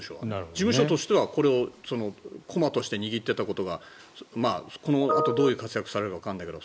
事務所としては駒として握っていたことがこのあとどういう活躍されるかわからないけど。